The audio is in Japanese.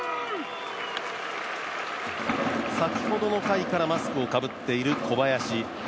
先ほどの回からマスクをかぶっている小林。